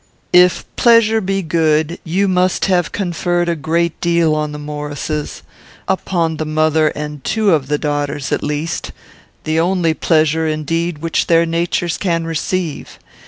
"If pleasure be good, you must have conferred a great deal on the Maurices; upon the mother and two of the daughters, at least, the only pleasure, indeed, which their natures can receive.